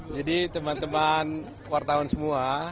jadi teman teman wartawan semua